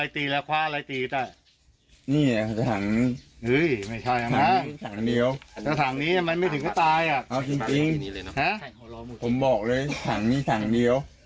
ถังนี่ถังเดียวเขาบอกว่าหนาว